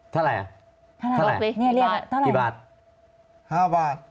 เท่าไร